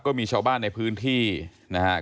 ก็มีชาวบ้านในพื้นที่นะครับ